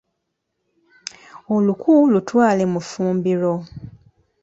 Oluku lutwale mu ffumbiro.